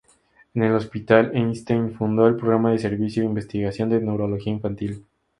En el Hospital Einstein fundó el Programa de Servicio e Investigación de Neurología Infantil.